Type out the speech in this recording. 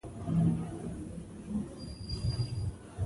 د خاورې د استحکام لپاره نیالګي وکرو.